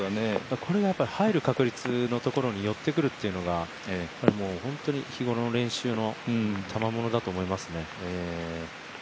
これが入る確率のところに寄ってくるというのがやっぱり日頃の練習のたまものだと思いますね。